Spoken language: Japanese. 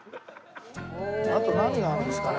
あと何があるんですかね？